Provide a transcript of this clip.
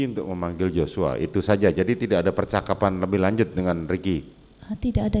untuk memanggil joshua itu saja jadi tidak ada percakapan lebih lanjut dengan ricky tidak ada